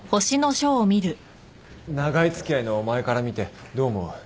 長い付き合いのお前から見てどう思う？